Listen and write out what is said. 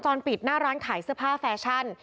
ปิดหน้าร้านขายเสื้อผ้าแฟชั่น